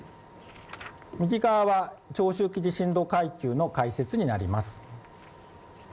右側は長周期地震動階級の解説になります。